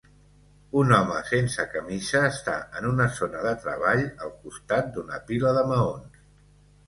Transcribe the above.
Un home sense camisa està en una zona de treball, al costat d'una pila de maons